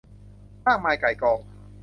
มากมายก่ายกอง